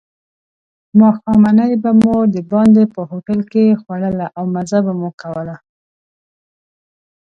ماښامنۍ به مو دباندې په هوټل کې خوړله او مزه مو کوله.